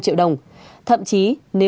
quy định xử phạt